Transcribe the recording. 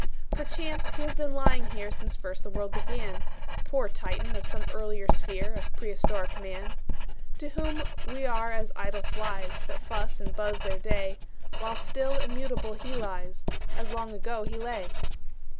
Perchance he has been lying here Since first the world began, Poor Titan of some earlier sphere Of prehistoric Man! To whom we are as idle flies, That fuss and buzz their day; While still immutable he lies, As long ago he lay.